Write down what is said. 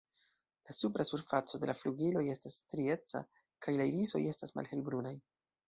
La supra surfaco de la flugiloj estas strieca, kaj la irisoj estas malhelbrunaj.